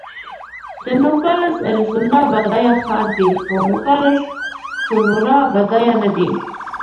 د نوګالس اریزونا بډایه ښار دی، خو نوګالس سونورا بډایه نه دی.